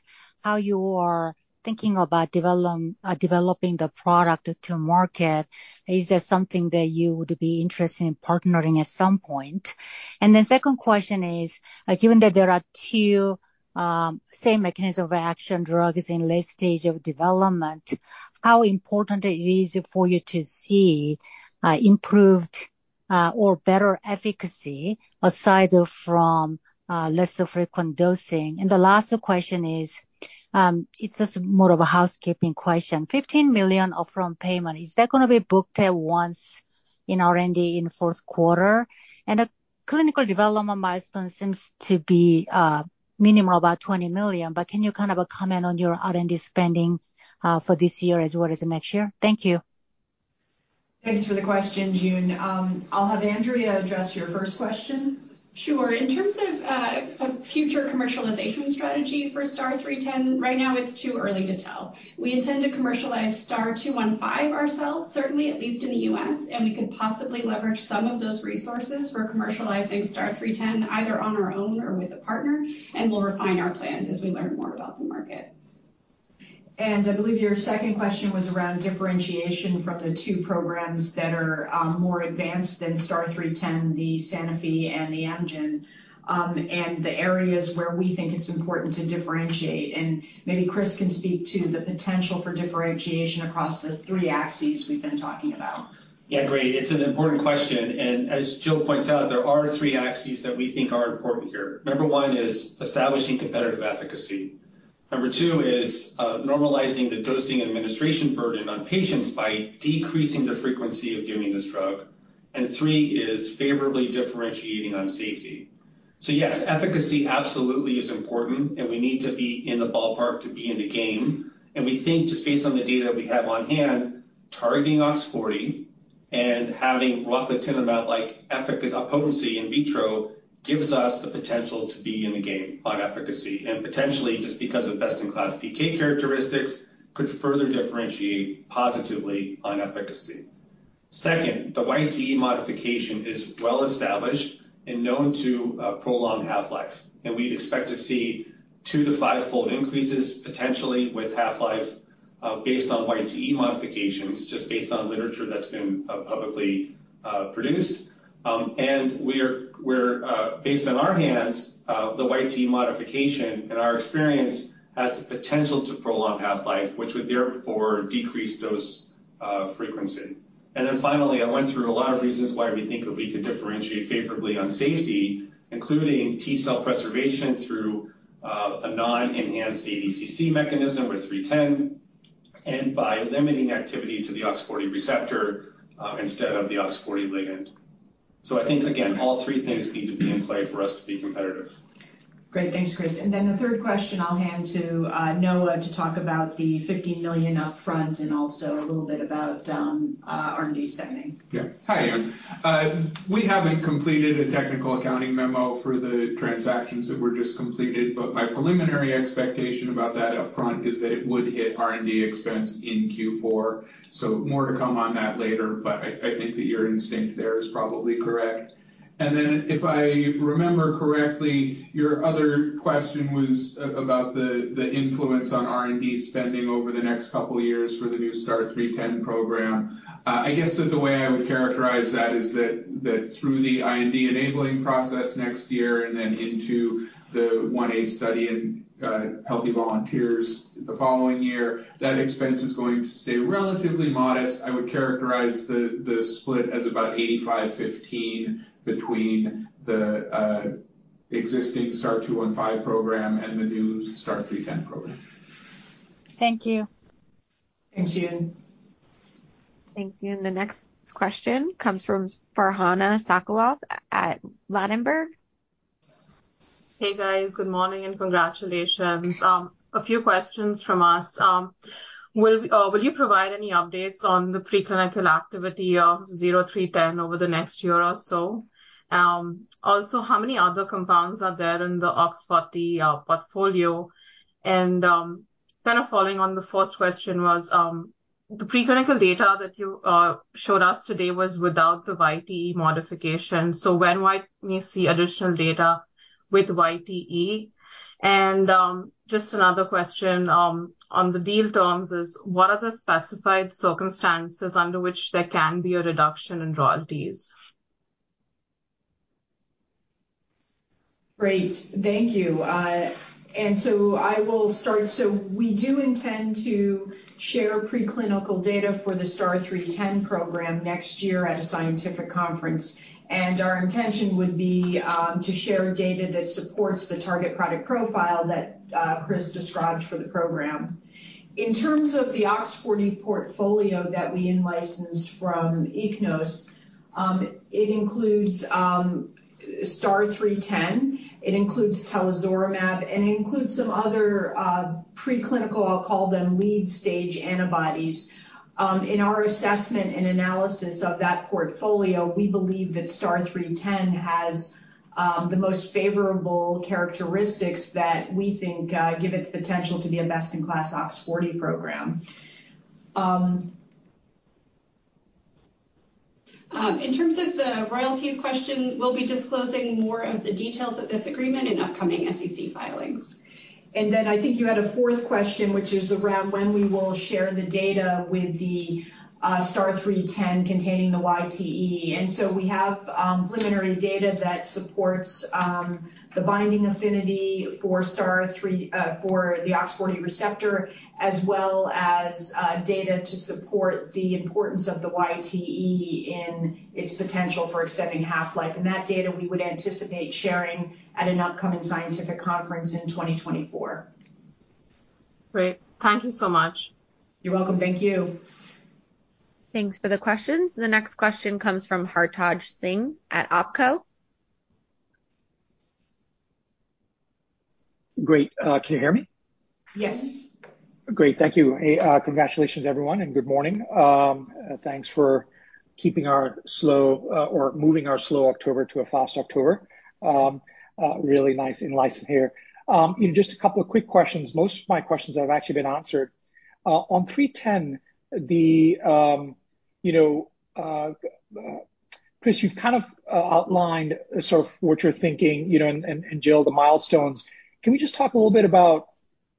how you are thinking about developing the product to market. Is there something that you would be interested in partnering at some point? And the second question is, given that there are two same mechanism of action drugs in late stage of development, how important it is for you to see improved or better efficacy aside from less frequent dosing? And the last question is, it's just more of a housekeeping question. $15 million upfront payment, is that gonna be booked at once in R&D in the fourth quarter? A clinical development milestone seems to be minimal, about $20 million, but can you kind of comment on your R&D spending for this year as well as the next year? Thank you. Thanks for the question, Eun. I'll have Andrea address your first question. Sure. In terms of a future commercialization strategy for STAR-0310, right now it's too early to tell. We intend to commercialize STAR-0215 ourselves, certainly at least in the U.S., and we could possibly leverage some of those resources for commercializing STAR-0310, either on our own or with a partner, and we'll refine our plans as we learn more about the market. I believe your second question was around differentiation from the two programs that are more advanced than STAR-0310, the Sanofi and the Amgen, and the areas where we think it's important to differentiate. Maybe Chris can speak to the potential for differentiation across the three axes we've been talking about. Yeah, great. It's an important question, and as Jill points out, there are three axes that we think are important here. Number one is establishing competitive efficacy. Number two is normalizing the dosing and administration burden on patients by decreasing the frequency of giving this drug. And three is favorably differentiating on safety. So yes, efficacy absolutely is important, and we need to be in the ballpark to be in the game. And we think, just based on the data we have on hand, targeting OX40 and having roughly ten amount, like, potency in vitro, gives us the potential to be in the game on efficacy. And potentially, just because of best-in-class PK characteristics, could further differentiate positively on efficacy. Second, the YTE modification is well-established and known to prolong half-life, and we'd expect to see two-five fold increases, potentially with half-life, based on YTE modifications, just based on literature that's been publicly produced. And we're based on our hands the YTE modification, in our experience, has the potential to prolong half-life, which would therefore decrease dose frequency. And then finally, I went through a lot of reasons why we think that we could differentiate favorably on safety, including T cell preservation through a non-enhanced ADCC mechanism with STAR-0310, and by limiting activity to the OX40 receptor, instead of the OX40 ligand. So I think, again, all three things need to be in play for us to be competitive. Great. Thanks, Chris. And then the third question I'll hand to Noah, to talk about the $15 million upfront and also a little bit about R&D spending. Yeah. Hi, Eun. We haven't completed a technical accounting memo for the transactions that were just completed, but my preliminary expectation about that upfront is that it would hit R&D expense in Q4. So more to come on that later, but I, I think that your instinct there is probably correct. And then if I remember correctly, your other question was about the influence on R&D spending over the next couple of years for the new STAR-0310 program. I guess that the way I would characterize that is that through the IND enabling process next year and then into the 1A study in healthy volunteers the following year, that expense is going to stay relatively modest. I would characterize the split as about 85/15 between the existing STAR-0215 program and the new STAR-0310 program. Thank you. Thanks, Eun. Thank you. And the next question comes from Farhana Sakloth at Ladenburg. Hey, guys. Good morning and congratulations. A few questions from us. Will you provide any updates on the preclinical activity of STAR-0310 over the next year or so? Also, how many other compounds are there in the OX40 portfolio? And kind of following on the first question was the preclinical data that you showed us today was without the YTE modification. So when might we see additional data with YTE? And just another question on the deal terms is, what are the specified circumstances under which there can be a reduction in royalties? Great. Thank you. I will start. We do intend to share preclinical data for the STAR-0310 program next year at a scientific conference, and our intention would be to share data that supports the target product profile that Chris described for the program. In terms of the OX40 portfolio that we in-licensed from Ichnos, it includes STAR-0310, it includes Telazorlimab, and it includes some other preclinical, I'll call them, lead stage antibodies. In our assessment and analysis of that portfolio, we believe that STAR-0310 has the most favorable characteristics that we think give it the potential to be a best-in-class OX40 program. In terms of the royalties question, we'll be disclosing more of the details of this agreement in upcoming SEC filings. Then I think you had a fourth question, which is around when we will share the data with the STAR-0310 containing the YTE. So we have preliminary data that supports the binding affinity for STAR-0310 for the OX40 receptor, as well as data to support the importance of the YTE in its potential for accepting half-life. And that data we would anticipate sharing at an upcoming scientific conference in 2024. Great. Thank you so much. You're welcome. Thank you. Thanks for the questions. The next question comes from Hartaj Singh at Oppenheimer. Great. Can you hear me? Yes. Great. Thank you. Hey, congratulations, everyone, and good morning. Thanks for keeping our slow, or moving our slow October to a fast October. Really nice in-license here. Just a couple of quick questions. Most of my questions have actually been answered. On STAR-0310, you know, Chris, you've kind of outlined sort of what you're thinking, you know, and Jill, the milestones. Can we just talk a little bit about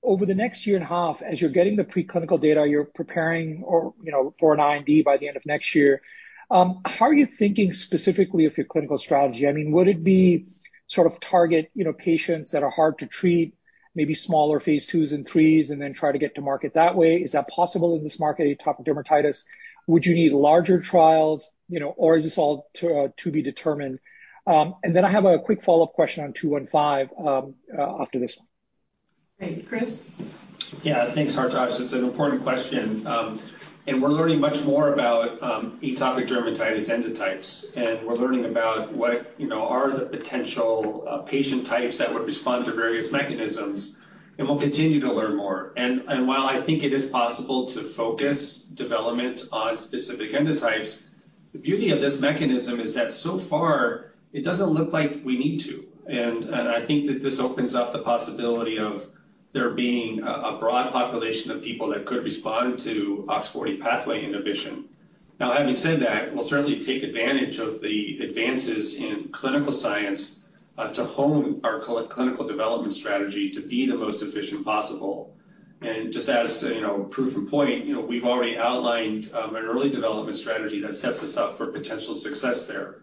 over the next year and a half, as you're getting the preclinical data, you're preparing or, you know, for an IND by the end of next year, how are you thinking specifically of your clinical strategy? I mean, would it be sort of target, you know, patients that are hard to treat, maybe smaller Phase 2s and 3s, and then try to get to market that way? Is that possible in this market, atopic dermatitis? Would you need larger trials, you know, or is this all to be determined? And then I have a quick follow-up question on 215, after this one. Great. Chris? Yeah. Thanks, Hartaj. It's an important question, and we're learning much more about atopic dermatitis endotypes, and we're learning about what, you know, are the potential patient types that would respond to various mechanisms, and we'll continue to learn more. And while I think it is possible to focus development on specific endotypes, the beauty of this mechanism is that so far it doesn't look like we need to. And I think that this opens up the possibility of there being a broad population of people that could respond to OX40 pathway inhibition. Now, having said that, we'll certainly take advantage of the advances in clinical science to hone our clinical development strategy to be the most efficient possible. Just as you know, case in point, you know, we've already outlined an early development strategy that sets us up for potential success there.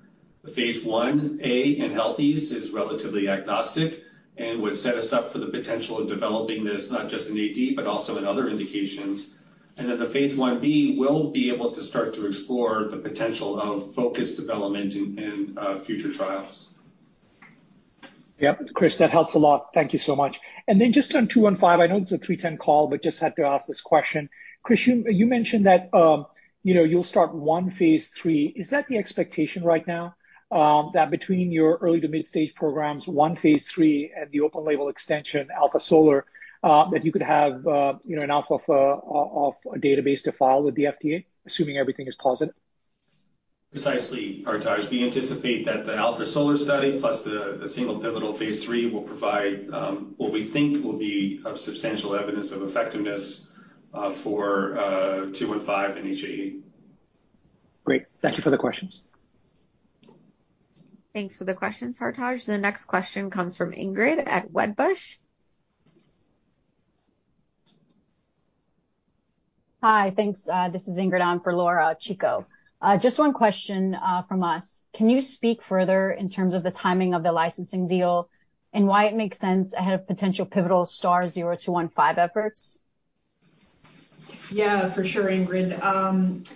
The Phase 1a in healthies is relatively agnostic and would set us up for the potential of developing this not just in AD, but also in other then Phase 1b we'll be able to start to explore the potential of focused development in future trials. Yep, Chris, that helps a lot. Thank you so much. And then just on STAR-0215, I know it's a STAR-0310 call, but just had to ask this question. Chris, you mentioned that, you know, you'll start one Phase 3. Is that the expectation right now? That between your early to mid-stage programs, one Phase 3 and the open-label extension, ALPHA-SOLAR, that you could have, you know, enough of a database to file with the FDA, assuming everything is positive? Precisely, Hartaj. We anticipate that the ALPHA-SOLAR study, plus the single pivotal Phase 3, will provide what we think will be of substantial evidence of effectiveness for 215 and HAE. Great. Thank you for the questions. Thanks for the questions, Hartaj. The next question comes from Ingrid at Wedbush. Hi. Thanks. This is Ingrid on for Laura Chico. Just one question from us. Can you speak further in terms of the timing of the licensing deal and why it makes sense ahead of potential pivotal STAR-0215 efforts? Yeah, for sure, Ingrid.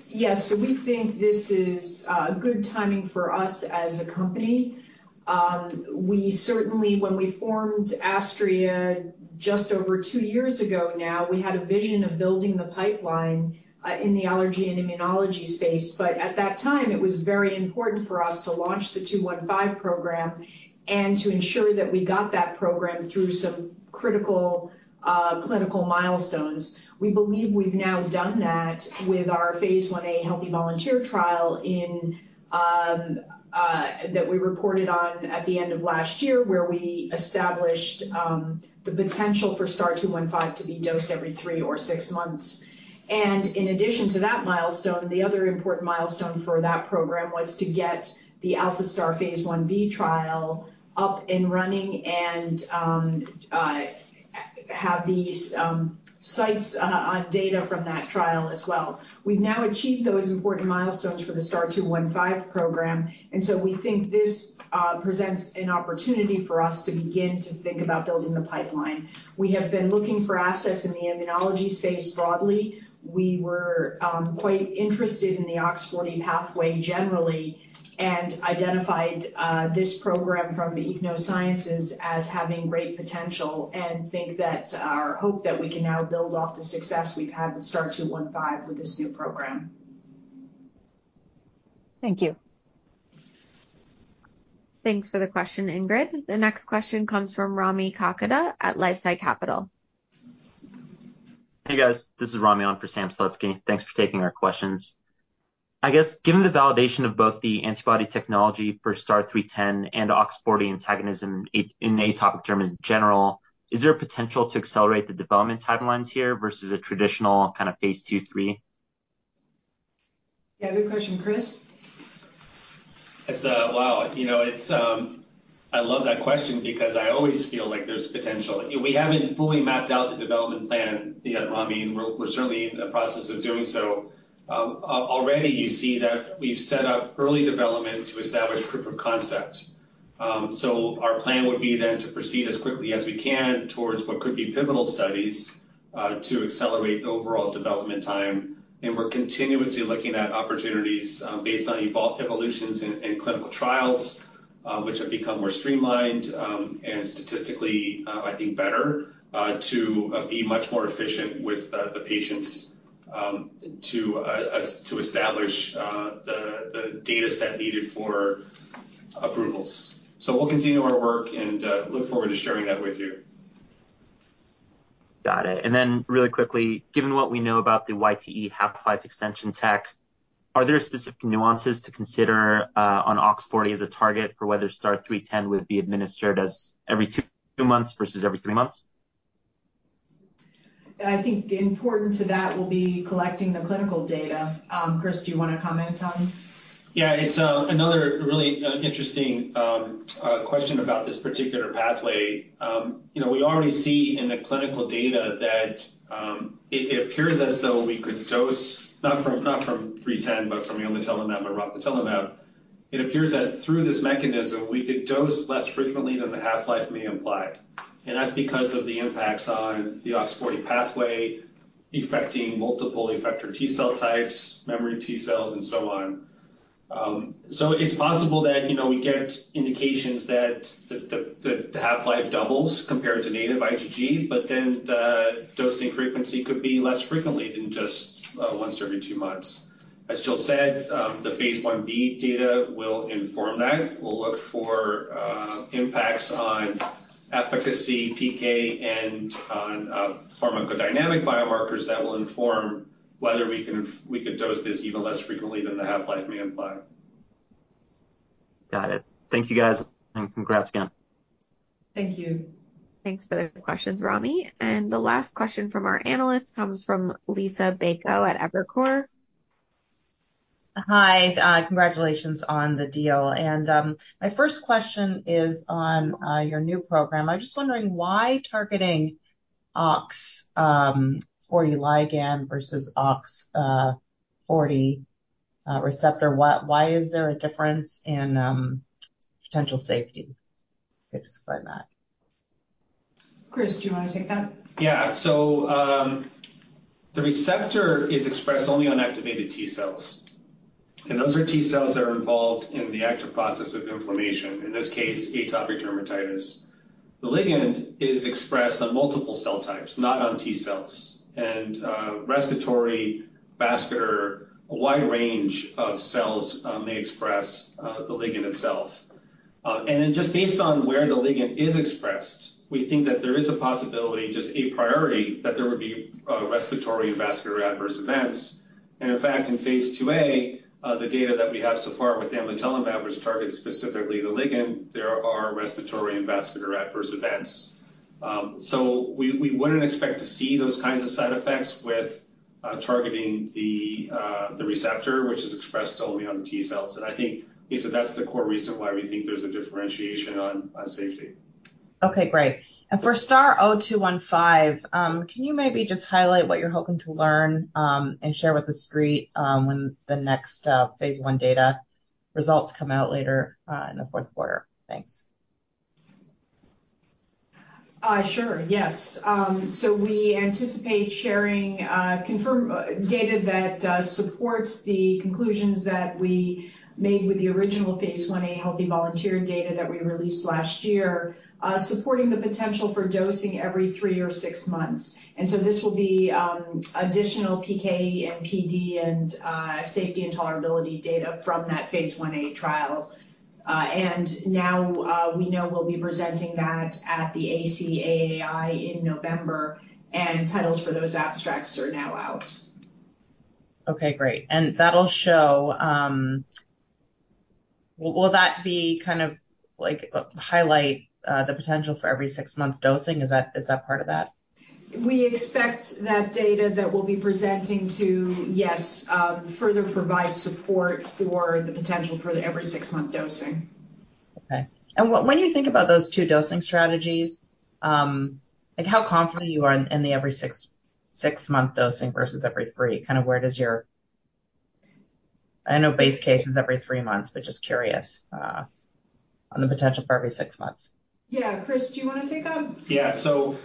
Yes, so we think this is good timing for us as a company. We certainly, when we formed Astria just over two years ago now, we had a vision of building the pipeline in the allergy and immunology space. But at that time, it was very important for us to launch the STAR-0215 program and to ensure that we got that program through some critical clinical milestones. We believe we've now done that with our Phase 1a healthy volunteer trial in that we reported on at the end of last year, where we established the potential for STAR-0215 to be dosed every three or six months. In addition to that milestone, the other important milestone for that program was to get the ALPHA-STAR Phase 1b trial up and running and have these sites on data from that trial as well. We've now achieved those important milestones for the STAR-0215 program, and so we think this presents an opportunity for us to begin to think about building the pipeline. We have been looking for assets in the immunology space broadly. We were quite interested in the OX40 pathway generally and identified this program from Ichnos Sciences as having great potential, and think that our hope that we can now build off the success we've had with STAR-0215 with this new program. Thank you. Thanks for the question, Ingrid. The next question comes from Rami Katkhuda at LifeSci Capital. Hey, guys. This is Rami on for Sam Slutsky. Thanks for taking our questions. I guess, given the validation of both the antibody technology for STAR-0310 and OX40 antagonism in atopic dermatitis in general, is there a potential to accelerate the development timelines here versus a traditional kind of Phase 2, 3? Yeah, good question. Chris? It's... Wow, you know, it's I love that question because I always feel like there's potential. We haven't fully mapped out the development plan yet, Rami, and we're certainly in the process of doing so. Already you see that we've set up early development to establish proof of concept. So our plan would be then to proceed as quickly as we can towards what could be pivotal studies to accelerate the overall development time, and we're continuously looking at opportunities based on evolutions in clinical trials which have become more streamlined and statistically I think better to be much more efficient with the patients to establish the data set needed for approvals. So we'll continue our work and look forward to sharing that with you. Got it. And then really quickly, given what we know about the YTE half-life extension tech, are there specific nuances to consider on OX40 as a target for whether STAR-0310 would be administered as every two months versus every three months? I think important to that will be collecting the clinical data. Chris, do you want to comment on? Yeah, it's another really interesting question about this particular pathway. You know, we already see in the clinical data that it appears as though we could dose, not from, not from STAR-0310, but from omalizumab and rocatinlimab. It appears that through this mechanism, we could dose less frequently than the half-life may imply, and that's because of the impacts on the OX40 pathway affecting multiple effector T-cell types, memory T-cells, and so on. So it's possible that, you know, we get indications that the half-life doubles compared to native IgE, but then the dosing frequency could be less frequently than just once every two months. As Jill said, the Phase 1b data will inform that. We'll look for impacts on efficacy, PK, and pharmacodynamic biomarkers that will inform whether we could dose this even less frequently than the half-life may imply. Got it. Thank you, guys, and congrats again. Thank you. Thanks for the questions, Rami. The last question from our analyst comes from Liisa Bayko at Evercore. Hi, congratulations on the deal. And, my first question is on your new program. I was just wondering, why targeting OX40 ligand versus OX40 receptor? Why is there a difference in potential safety? Could you just explain that? Chris, do you want to take that? Yeah. So, the receptor is expressed only on activated T-cells, and those are T-cells that are involved in the active process of inflammation, in this case, atopic dermatitis. The ligand is expressed on multiple cell types, not on T-cells, and respiratory, vascular, a wide range of cells may express the ligand itself. And then just based on where the ligand is expressed, we think that there is a possibility, just a priority, that there would be respiratory and vascular adverse events. And in fact, in Phase 2a, the data that we have so far with amlitelimab, which targets specifically the ligand, there are respiratory and vascular adverse events. So we wouldn't expect to see those kinds of side effects with targeting the receptor, which is expressed only on the T-cells. I think, Lisa, that's the core reason why we think there's a differentiation on safety. Okay, great. And for STAR-0215, can you maybe just highlight what you're hoping to learn, and share with the street, when the next phase I data results come out later in the fourth quarter? Thanks. Sure. Yes. So we anticipate sharing confirmatory data that supports the conclusions that we made with the original Phase 1a healthy volunteer data that we released last year supporting the potential for dosing every three or six months. So this will be additional PK and PD and safety and tolerability Phase 1a trial. and now we know we'll be presenting that at the ACAAI in November, and titles for those abstracts are now out. Okay, great. And that'll show... Will, will that be kind of like, highlight, the potential for every six months dosing? Is that, is that part of that? We expect that data that we'll be presenting to further provide support for the potential for the every six-month dosing. Okay. When you think about those two dosing strategies, like, how confident you are in the every six-month dosing versus every three? Kind of where does your... I know base case is every three months, but just curious on the potential for every six months. Yeah. Chris, do you wanna take that? Yeah. So,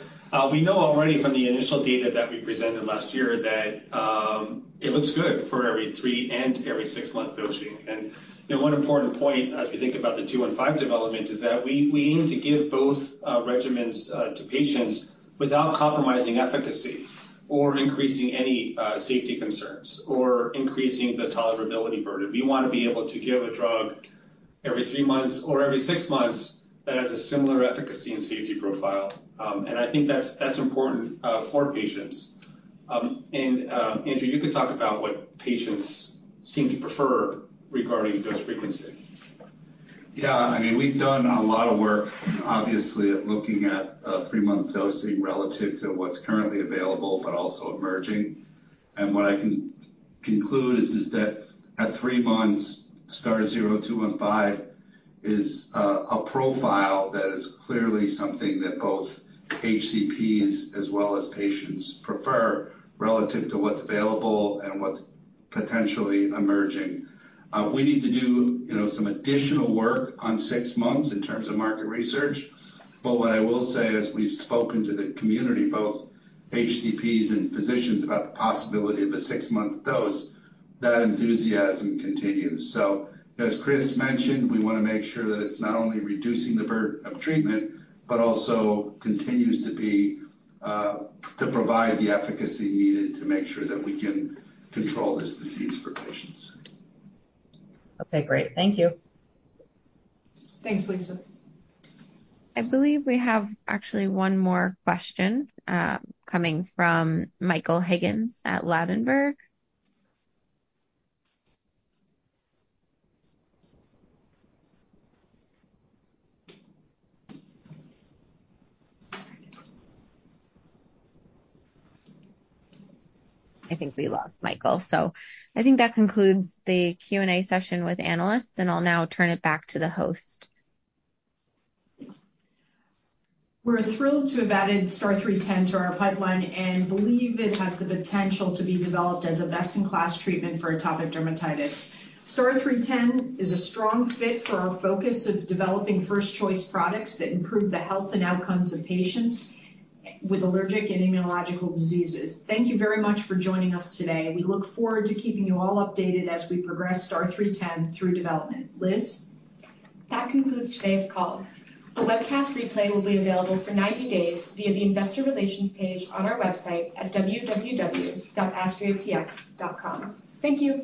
we know already from the initial data that we presented last year that it looks good for every three and every six months dosing. And, you know, one important point as we think about the 215 development is that we aim to give both regimens to patients without compromising efficacy or increasing any safety concerns or increasing the tolerability burden. We wanna be able to give a drug every three months or every six months that has a similar efficacy and safety profile. And I think that's important for patients. And, Andrew, you can talk about what patients seem to prefer regarding dose frequency. Yeah. I mean, we've done a lot of work, obviously, at looking at three-month dosing relative to what's currently available, but also emerging. And what I can conclude is that at three months, STAR-0215 is a profile that is clearly something that both HCPs as well as patients prefer relative to what's available and what's potentially emerging. We need to do, you know, some additional work on six months in terms of market research, but what I will say is we've spoken to the community, both HCPs and physicians, about the possibility of a six-month dose, that enthusiasm continues. So as Chris mentioned, we wanna make sure that it's not only reducing the burden of treatment but also continues to be to provide the efficacy needed to make sure that we can control this disease for patients. Okay, great. Thank you. Thanks, Lisa. I believe we have actually one more question coming from Michael Higgins at Ladenburg. I think we lost Michael, so I think that concludes the Q&A session with analysts, and I'll now turn it back to the host. We're thrilled to have added STAR-0310 to our pipeline and believe it has the potential to be developed as a best-in-class treatment for atopic dermatitis. STAR-0310 is a strong fit for our focus of developing first-choice products that improve the health and outcomes of patients with allergic and immunological diseases. Thank you very much for joining us today. We look forward to keeping you all updated as we progress STAR-0310 through development. Liz? That concludes today's call. A webcast replay will be available for 90 days via the Investor Relations page on our website at www.astriatx.com. Thank you.